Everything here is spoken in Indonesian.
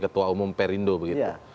ketua umum perindo begitu